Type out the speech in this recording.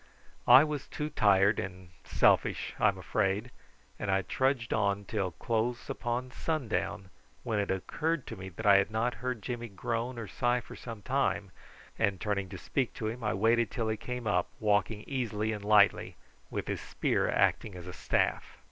I was too tired and selfish, I'm afraid, and I trudged on till close upon sundown, when it occurred to me that I had not heard Jimmy groan or sigh for some time, and turning to speak to him I waited till he came up, walking easily and lightly, with his spear acting as a staff.